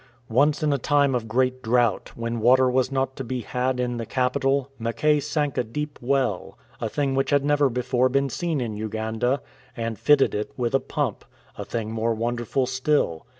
Once in a time of great drought, when water was not to be had in the capital, Mackay sank a deep well — a thing which had never before been seen in Uganda, and fitted it with a pump — a thing more wonderful still.